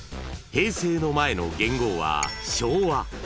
［平成の前の元号は昭和］